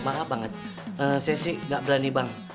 saya sih nggak berani bang